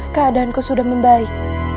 keadaanku sudah membaik